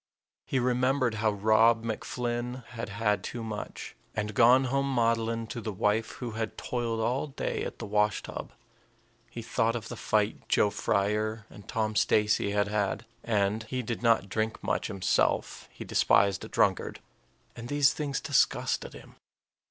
He remembered how Rob MacFlynn had had too much, and gone home maudlin to the wife who had toiled all day at the wash tub. He thought of the fight Joe Frier and Tom Stacey had had. And he did not drink much himself; he despised a drunkard and these things disgusted him.